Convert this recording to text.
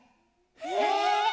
えっ！